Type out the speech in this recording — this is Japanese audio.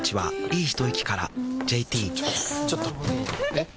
えっ⁉